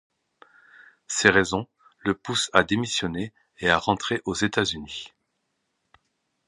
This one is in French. Ces raisons le poussent à démissionner et à rentrer aux États-Unis.